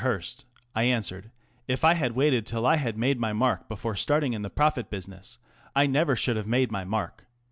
Hearst," I answered, " if I had waited till I had made my mark before starting in the prophet business I never should have made my mark.